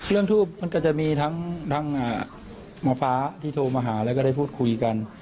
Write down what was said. เรื่องถุปมันก็จะมีทั้งทั้งอ่าหมอฟ้าที่โทรมาหาแล้วก็ได้พูดคุยกัน